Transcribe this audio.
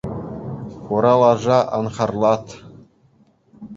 Хура лаша, ан хартлат.